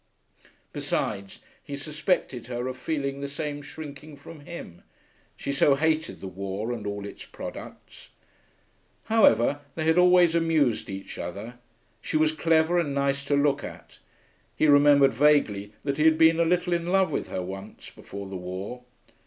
Besides, he suspected her of feeling the same shrinking from him: she so hated the war and all its products. However, they had always amused each other; she was clever, and nice to look at; he remembered vaguely that he had been a little in love with her once, before the war.